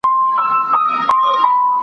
هر ځای شړکنده باران راپسي ګرځي .